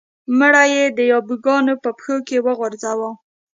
مړی یې د یابو ګانو په پښو کې وغورځاوه.